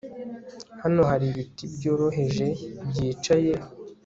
hano hari ibiti byoroheje byicaye